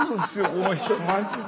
この人マジで。